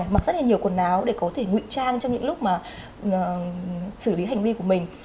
mặc rất là nhiều quần áo để có thể ngụy trang trong những lúc mà xử lý hành vi của mình